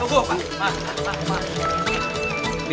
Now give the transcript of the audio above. pak pak pak